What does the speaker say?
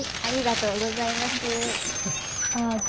ありがとう。